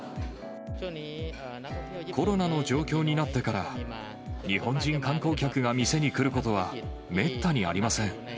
コロナの状況になってから、日本人観光客が店に来ることはめったにありません。